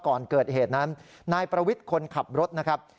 ก่อนเกิดเหตุนั้นนายประวิทย์คนขับรถนะครับ